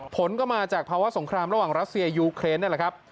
ผลก็มาจากภาวะสงครามระหว่างรัสเซียยูเครนนั่นแหละครับ